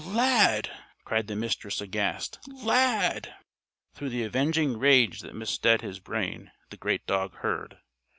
"Lad!" cried the Mistress, aghast. "Lad!" Through the avenging rage that misted his brain the great dog heard.